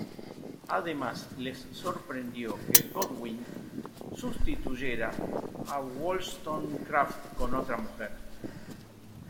Además les sorprendió que Godwin sustituyera a Wollstonecraft con otra mujer.